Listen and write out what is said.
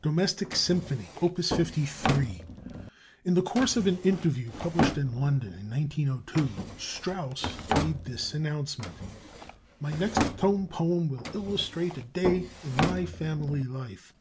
"DOMESTIC SYMPHONY": Op. 53 In the course of an interview published in London in 1902, Strauss made this announcement: "My next tone poem will illustrate 'a day in my family life.'